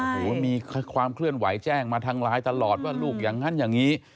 โอ้โหมีความเคลื่อนไหวแจ้งมาทางไลน์ตลอดว่าลูกอย่างนั้นอย่างนี้